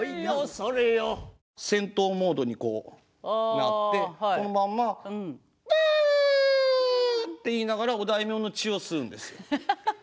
戦闘モードになってこのまんま「ぶん」って言いながらお大名の血を吸うんですよ。